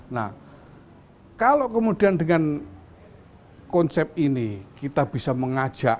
nah kalau kemudian dengan konsep ini kita bisa mengajak